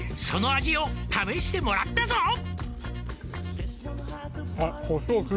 「その味を試してもらったぞ」